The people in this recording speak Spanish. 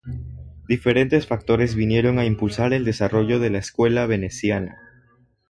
Diferentes factores vinieron a impulsar el desarrollo de la Escuela Veneciana.